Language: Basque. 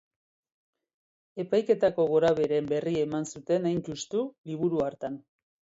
Epaiketako gorabeheren berri eman zuten hain justu liburu hartan.